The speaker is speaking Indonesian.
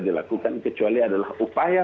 dilakukan kecuali adalah upaya